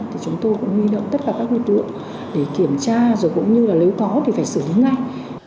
thì chúng tôi cũng nghi động tất cả các nguyên tượng để kiểm tra rồi cũng như là nếu có thì phải xử lý ngay